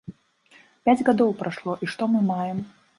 Пяць гадоў прайшло, і што мы маем?